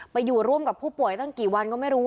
ไปอยู่ร่วมกับผู้ป่วยตั้งกี่วันก็ไม่รู้